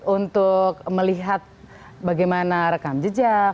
untuk melihat bagaimana rekam jejak